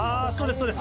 そうです